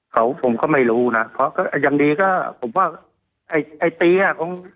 หืมผมก็ไม่รู้น่ะยังดีก็ผมว่าไอ้ไตี้อ่ะ